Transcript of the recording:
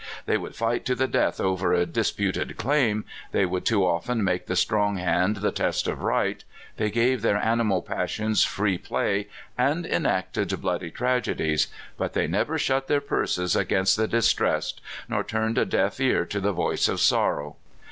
They would fight to the death over a disputed claim ; they would too often make the strong hand the test of right ; they gave their ani mal passions free play, and enacted bloody trage dies. But they never shut their purses against the distressed, nor turned a deaf ear to the voice of sorrow.